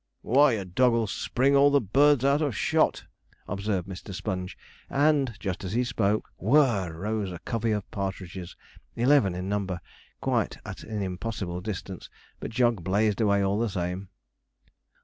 'Why, your dog'll spring all the birds out of shot,' observed Mr. Sponge; and, just as he spoke, whirr! rose a covey of partridges, eleven in number, quite at an impossible distance, but Jog blazed away all the same.